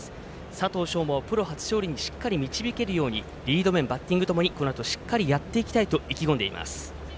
佐藤奨真、プロ入り後初勝利に貢献できるようにリード面、バッティングともにしっかりやっていきたいと意気込んでいます。